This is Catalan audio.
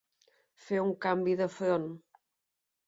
Fer un canvi de front.